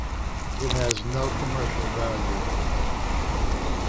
It has no commercial value.